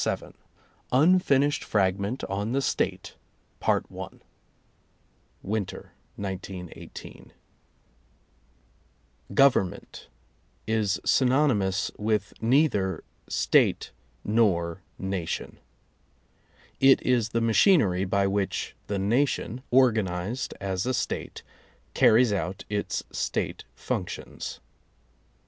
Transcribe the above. VII UNFINISHED FRAGMENT ON THE STATE (Winter, 1918) Government is synonymous with neither State nor Nation. It is the machinery by which the nation, organized as a State, carries out its State functions.